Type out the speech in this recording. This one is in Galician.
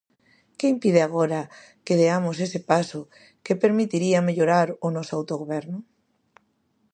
¿Que impide agora que deamos ese paso que permitiría mellorar o noso autogoberno?